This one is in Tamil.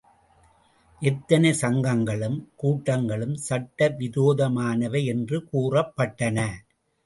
எத்தனை சங்கங்களும் கூட்டங்களும் சட்ட விரோதமானவை என்று கூறப்பட்டன.